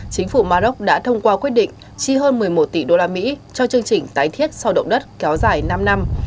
chính phủ maroc đã thông qua quyết định chi hơn một mươi một tỷ usd cho chương trình tái thiết sau động đất kéo dài năm năm